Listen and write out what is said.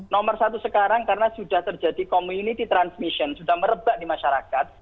nomor satu sekarang karena sudah terjadi community transmission sudah merebak di masyarakat